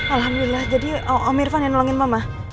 alhamdulillah jadi om irfan yang nolongin mama